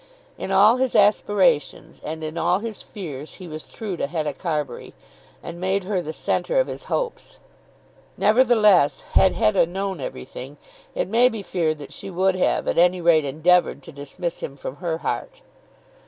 In all his aspirations, and in all his fears, he was true to Hetta Carbury, and made her the centre of his hopes. Nevertheless, had Hetta known everything, it may be feared that she would have at any rate endeavoured to dismiss him from her heart.